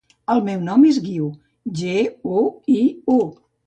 El meu nom és Guiu: ge, u, i, u.